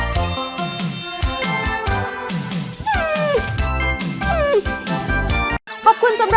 บาปูกัดข้างที่พรุ่งาว